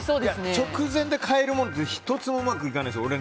直前で変えるのは１つもうまくいかないですよ。